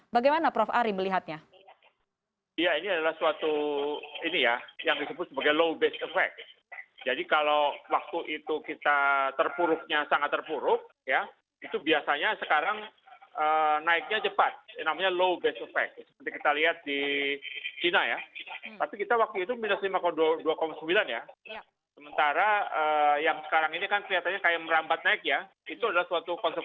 bagaimana prof ari melihatnya